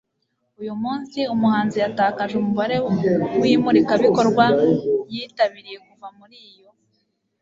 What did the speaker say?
Uyu munsi umuhanzi yatakaje umubare wimurikabikorwa yitabiriye kuva muri iyo